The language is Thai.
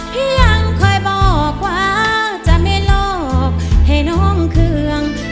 พี่ยังคอยบอกว่าจะมีโลกให้น้องเคือง